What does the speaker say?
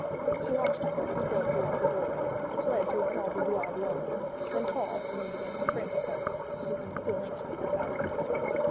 She watched him as he strolled towards the doorway, which led to a small boudoir beyond, then paused and leaned against the framework of it, looking still anxiously all round him.